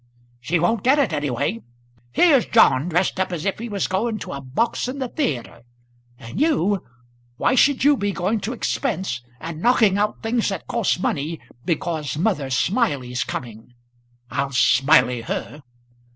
"She won't get it any way. Here's John dressed up as if he was going to a box in the the atre. And you why should you be going to expense, and knocking out things that costs money, because Mother Smiley's coming? I'll Smiley her."